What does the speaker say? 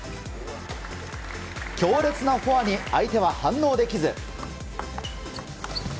強烈なフォアに相手は反応できず。